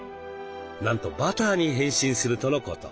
なんとバターに変身するとのこと。